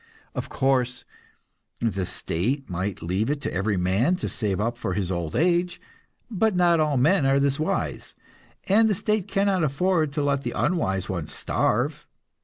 Of course, the state might leave it to every man to save up for his old age, but not all men are this wise, and the state cannot afford to let the unwise ones starve.